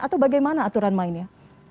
atau bagaimana aturan mainnya